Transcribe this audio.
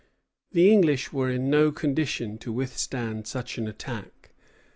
The English were in no condition to withstand such an attack.